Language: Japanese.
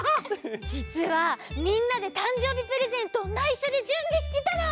じつはみんなでたんじょうびプレゼントをないしょでじゅんびしてたの！